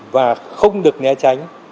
và không được né tránh